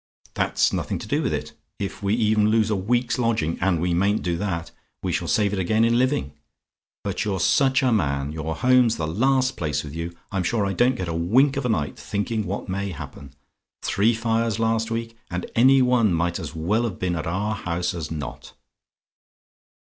"That's nothing to do with it. If we even lose a week's lodging and we mayn't do that we shall save it again in living. But you're such a man! Your home's the last place with you. I'm sure I don't get a wink of a night, thinking what may happen. Three fires last week; and any one might as well have been at our house as not.